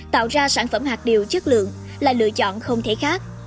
tạo ra sản phẩm hạt điều chất lượng là lựa chọn không thể khác